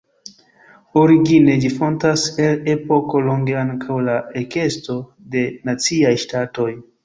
Origine ĝi fontas el epoko longe ankaŭ la ekesto de naciaj ŝtatoj.